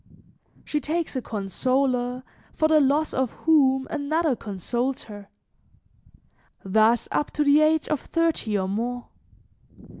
She takes a consoler, for the loss of whom another consoles her; thus up to the age of thirty or more.